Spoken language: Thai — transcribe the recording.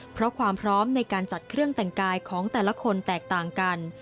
เพราะความพร้อมในการจัดเครื่องแต่งกายของแต่ละคนแตกต่างกัน